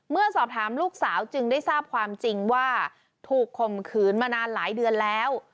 เมื่อสอบถามลูกสาวจึงได้ทราบความจริงว่าถูกข่มขืนมานานหลายเดือนแล้ว